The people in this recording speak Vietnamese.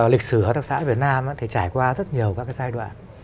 lịch sử của các xã việt nam thì trải qua rất nhiều các giai đoạn